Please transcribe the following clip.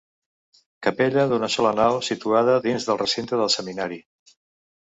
Capella d'una sola nau situada dins del recinte del Seminari.